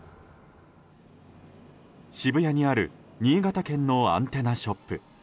渋谷にある新潟県のアンテナショップ。